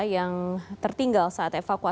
yang tertinggal saat evakuasi